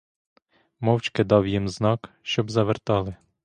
Мовчки дав їм знак, щоб завертали.